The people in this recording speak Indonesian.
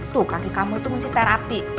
tuh kaki kamu itu mesti terapi